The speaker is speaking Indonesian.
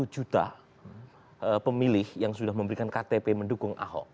satu juta pemilih yang sudah memberikan ktp mendukung ahok